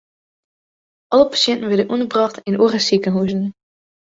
Alle pasjinten wurde ûnderbrocht yn oare sikehuzen.